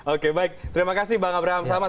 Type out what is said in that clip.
oke baik terima kasih bang abraham samad